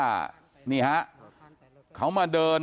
เขามาเดินจูงวัวออกไปเลี้ยง